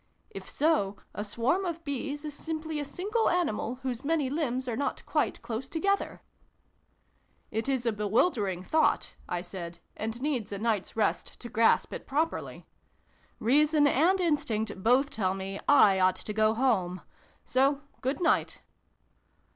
If so, a swarm of bees is simply a single animal whose many limbs are not quite close together !"" It is a bewildering thought," I said, " and needs a night's rest to grasp it properly. Rea son and Instinct both tell me I ought to go home. So, good night